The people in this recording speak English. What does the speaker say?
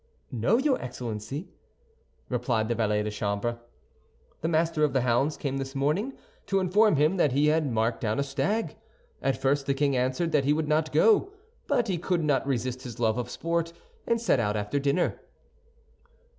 "No, your Excellency," replied the valet de chambre, "the Master of the Hounds came this morning to inform him that he had marked down a stag. At first the king answered that he would not go; but he could not resist his love of sport, and set out after dinner."